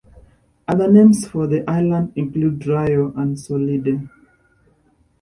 Other names for the island include "Riou" and "Solide".